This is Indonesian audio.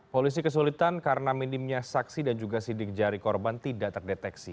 polisi kesulitan karena minimnya saksi dan juga sidik jari korban tidak terdeteksi